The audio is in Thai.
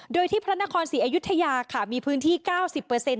โดยที่พระนครศิอยุธยาคมีพื้นที่๙๐เปิดเซ็นต์